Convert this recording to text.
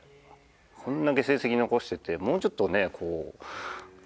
こんだけ成績残しててもうちょっとねこう。